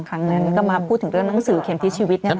ครั้งนั้นก็มาพูดถึงเรื่องหนังสือเข็มทิศชีวิต